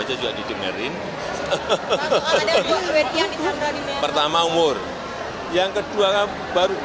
apa paling kotak